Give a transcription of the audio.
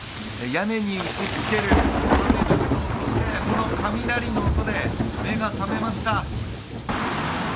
屋根に打ちつける、この雷の音で、目が覚めました。